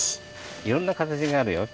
いろんなかたちがあるよ。